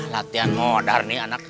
latihan modar nih anak